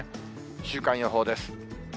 週間予報です。